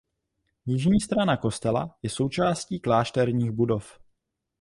Jižní strana kostela je součástí klášterních budov.